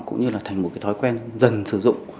cũng như là thành một cái thói quen dần sử dụng